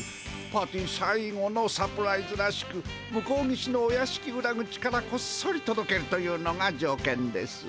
パーティーさいごのサプライズらしく向こう岸のお屋しき裏口からこっそりとどけるというのがじょうけんです。